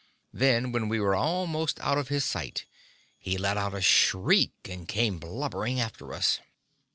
Then, when we were almost out of his sight, he let out a shriek and came blubbering after us.